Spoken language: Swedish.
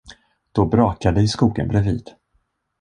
Då brakade det i skogen bredvid.